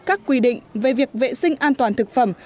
các quy định về việc vệ sinh an toàn thực phẩm